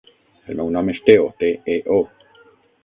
El meu nom és Teo: te, e, o.